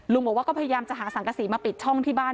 บอกว่าก็พยายามจะหาสังกษีมาปิดช่องที่บ้าน